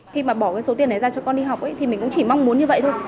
khi mà bỏ cái số tiền đấy ra cho con đi học thì mình cũng chỉ mong muốn như vậy thôi